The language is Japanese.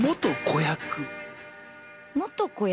元子役。